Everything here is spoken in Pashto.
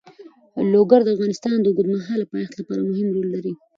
لوگر د افغانستان د اوږدمهاله پایښت لپاره مهم رول لري.